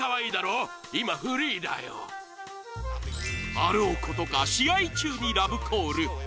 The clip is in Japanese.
あろうことか試合中にラブコール。